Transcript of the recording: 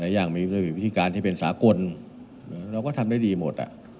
หลายอย่างมีผิดพิธิการที่เป็นสากลเราก็ทำได้ดีหมด